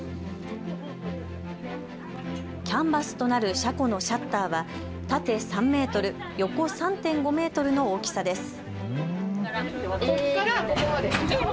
キャンバスとなる車庫のシャッターは縦３メートル、横３．５メートルの大きさです。